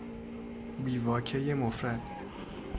بیواکهی مفرد